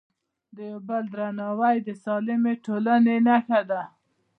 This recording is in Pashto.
د یو بل درناوی د سالمې ټولنې نښه ده.